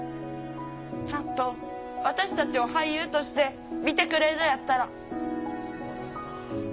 ちゃんと私たちを俳優として見てくれんのやったら。